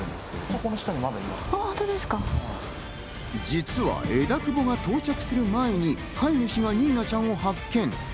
実は枝久保が到着する前に飼い主がニーナちゃんを発見。